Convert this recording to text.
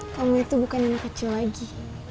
kamu itu bukan anak kecil lagi